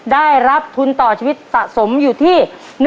ได้รับทุนต่อชีวิตสะสมอยู่ที่